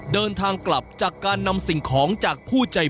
เดินทางกลับจากการนำสิ่งของจากผู้ใจบุญ